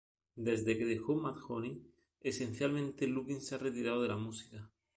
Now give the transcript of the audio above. Desde que dejó Mudhoney, esencialmente Lukin se ha retirado de la música.